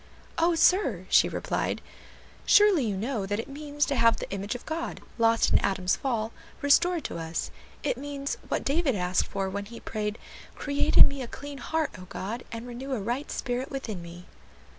"O sir!" she replied, "surely you know that it means to have the image of God, lost in Adam's fall, restored to us; it means what David asked for when he prayed, 'Create in me a clean heart, O God, and renew a right spirit within me.'"